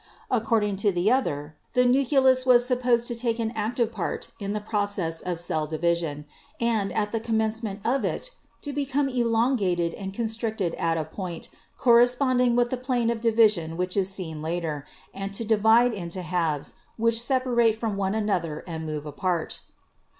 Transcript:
According to the other, the nucleus was supposed to take an active part in the process of cell division, and, at the commencement of it, to become elongated and con stricted at a point, corresponding with the plane of division which is seen later, and to divide into halves, which sep arate from one another and move apart.